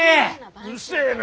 うるせえな。